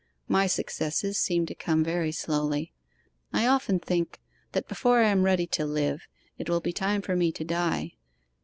My successes seem to come very slowly. I often think, that before I am ready to live, it will be time for me to die.